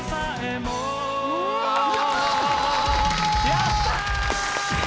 やった！